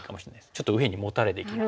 ちょっと右辺にモタれていきます。